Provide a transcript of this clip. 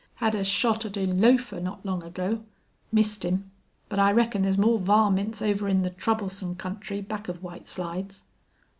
Had a shot at a lofer not long ago. Missed him. But I reckon thar's more varmints over in the Troublesome country back of White Slides."